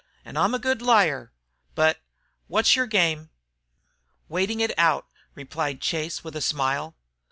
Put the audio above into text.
An' I'm a good liar. But wot's yer game?" "Waiting it out!" replied Chase, with a smile.